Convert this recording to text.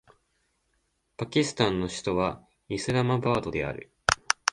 パキスタンの首都はイスラマバードである